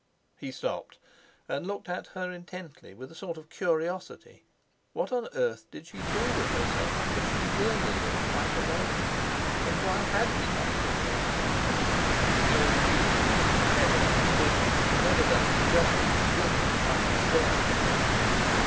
He stopped, and looked at her intently with a sort of curiosity. What on earth did she do with herself, if she really lived quite alone? And why had he not divorced her? The old feeling that she had never understood him, never done him justice, bit him while he stared at her.